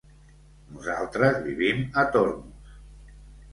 Nosaltres vivim a Tormos.